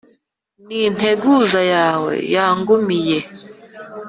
n'integuza yawe yangumiye